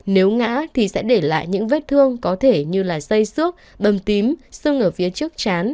nếu ngã thì sẽ để lại những vết thương có thể như là xây xước bầm tím xương ở phía trước chán